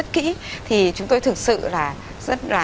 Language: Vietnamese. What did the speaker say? rất kỹ thì chúng tôi thực sự là